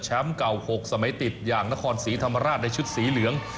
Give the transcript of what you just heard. เก่า๖สมัยติดอย่างนครศรีธรรมราชในชุดสีเหลือง